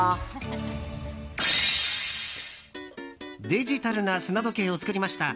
デジタルな砂時計を作りました。